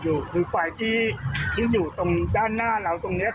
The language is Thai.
ก็คือไฟที่อยู่ตรงด้านหน้าเราตรงนี้ครับ